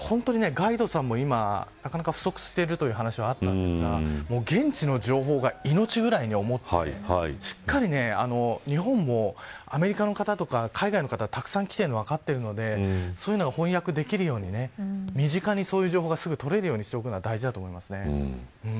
本当に、ガイドさんも今なかなか不足しているという話がありましたが現地の情報が命ぐらいに思ってしっかりと日本もアメリカの方とか海外の方がたくさん来ているのが分かっているのでそういうのが翻訳できるように身近にそういう情報が取れるようにしておくことが大事です。